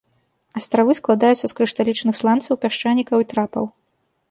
Астравы складаюцца з крышталічных сланцаў, пясчанікаў і трапаў.